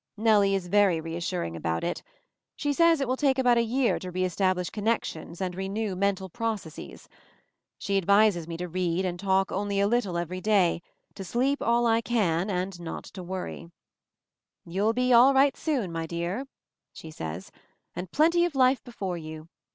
Nellie is very reassuring about it. She says it will take about a year to re establish connections and renew mental processes. She advises me to read and talk only a little every day, to sleep all I can, and not to worry. "You'll be all right soon, my dear," she says, "and plenty of life before you.